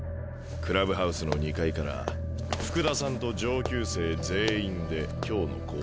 クラブハウスの２階から福田さんと上級生全員で今日の紅白戦。